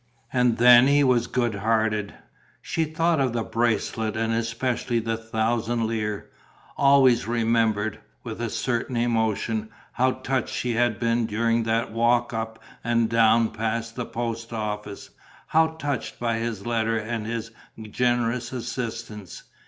And then he was good hearted. She thought of the bracelet and especially the thousand lire, always remembered, with a certain emotion, how touched she had been during that walk up and down past the post office, how touched by his letter and his generous assistance.